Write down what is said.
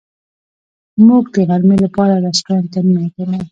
موږ د غرمې لپاره رسټورانټ ته ننوتلو.